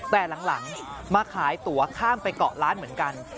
แต่หลังมาขายตัวข้ามไปเกาะร้านเหมือนกัน